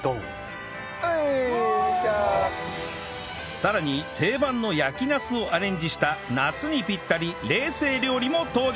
さらに定番の焼きナスをアレンジした夏にピッタリ冷製料理も登場！